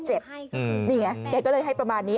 นี่ไงแกก็เลยให้ประมาณนี้